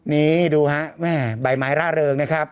นี่ดูฮะแม่ใบไม้ร่าเริงนะครับ